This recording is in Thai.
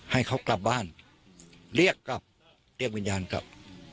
ให้เขากลับบ้านเรียกกลับเรียกวิญญาณกลับ